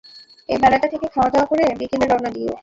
এ বেলাটা থেকে খাওয়াদাওয়া করে বিকেলে রওনা দিও।